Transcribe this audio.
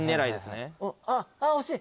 ああ惜しい。